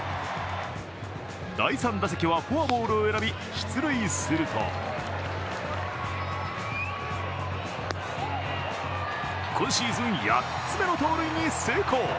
第３打席はフォアボールを選び出塁すると今シーズン８つ目の盗塁に成功。